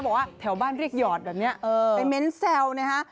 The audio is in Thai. บอกว่าแถวบ้านเรียกหยอดแบบนี้ไปเม้นแซวนะฮะ